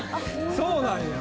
そうなんや。